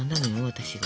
私が。